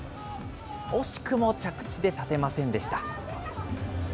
惜しくも着地で立てませんでした。